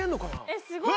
えっすごい！